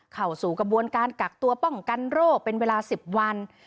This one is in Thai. เข้าสู่กระบวนการกักตัวป้องกันโรคเป็นเวลา๑๐วัน